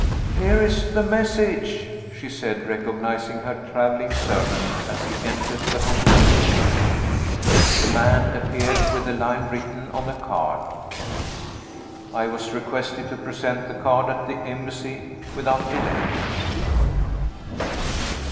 "Here is the message!" she said, recognizing her traveling servant as he entered the hotel door. The man appeared, with a line written on a card. I was requested to present the card at the Embassy, without delay.